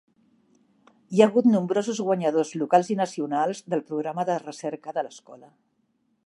Hi ha hagut nombrosos guanyadors locals i nacionals del programa de recerca de l'escola.